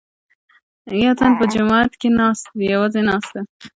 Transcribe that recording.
یوتن په جومات کې یوازې ناست دی.